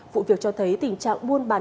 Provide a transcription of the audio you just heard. vụ việc cho thấy tình trạng muôn bán